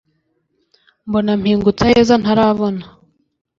mbona mpingutse aheza ntarabona